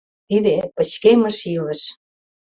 Тиде — пычкемыш илыш!